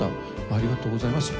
ありがとうございます。